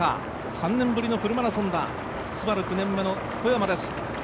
３年ぶりのフルマラソンだ、ＳＵＢＡＲＵ、９年目の小山です。